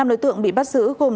năm đối tượng bị bắt giữ gồm